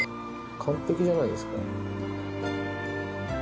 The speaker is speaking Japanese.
完璧じゃないですか。